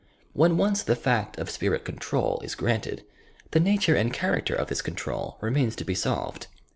Wlien once the fact of spirit control is granted, the uattire and character of this control remains to be solved.